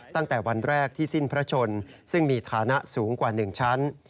ตั้งแต่วันแรกที่สิ้นพระชนซึ่งมีฐานะสูงกว่า๑ชั้น